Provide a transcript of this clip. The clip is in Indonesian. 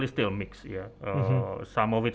masih menunggu dan melihat